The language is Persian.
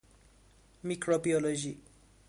میکروبیولوژی